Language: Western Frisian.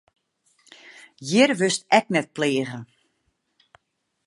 Hjir wurdst ek net pleage.